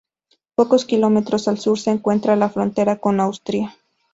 Pocos kilómetros al sur se encuentra la frontera con Austria.